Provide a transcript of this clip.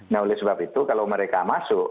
nah oleh sebab itu kalau mereka masuk